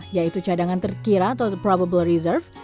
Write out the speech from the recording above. yaitu cadangan terkira atau probable reserve